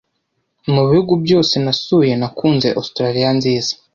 Mu bihugu byose nasuye, nakunze Australiya nziza.